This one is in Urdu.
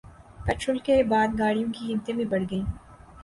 پیٹرول کے بعد گاڑیوں کی قیمتیں بھی بڑھ گئیں